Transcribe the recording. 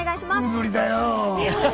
無理だよ！